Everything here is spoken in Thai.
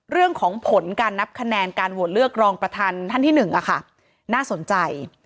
เรื่องของผลการนับคะแนนการโหวตเลือกรองประธานท่านที่๑น่าสนใจ